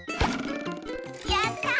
やった！